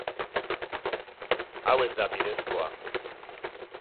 Hau ez da bidezkoa.